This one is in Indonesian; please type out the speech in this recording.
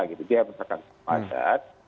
jadi misalkan adat